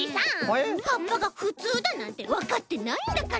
はっぱがふつうだなんてわかってないんだから。